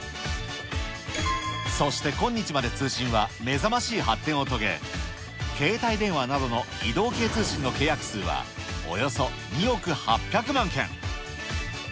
そして今日まで通信は、目覚ましい発展を遂げ、携帯電話などの移動系通信の契約数は、およそ２億８００万件。